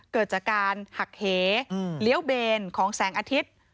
เกิดจากการหักเหเลี้ยวเบนของแสงอาทิตย์